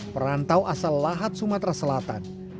perantau asal lahat sumatera selatan